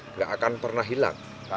nggak akan pernah hilang